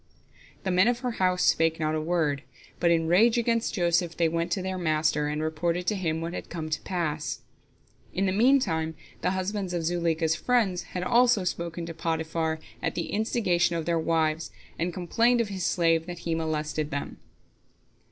The men of her house spake not a word, but, in a rage against Joseph, they went to their master, and reported to him what had come to pass. In the meantime the husbands of Zuleika's friends had also spoken to Potiphar, at the instigation of their wives, and complained of his slave, that he molested them.